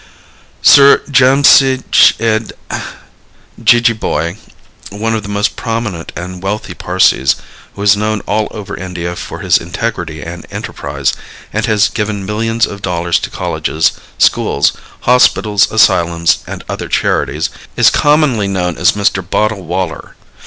Sir Jamsetjed Jeejeebhoy, one of the most prominent and wealthy Parsees, who is known all over India for his integrity and enterprise, and has given millions of dollars to colleges, schools, hospitals, asylums and other charities, is commonly known as Mr. Bottlewaller.